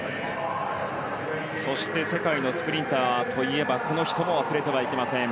そして世界のスプリンターといえばこの人も忘れてはいけません。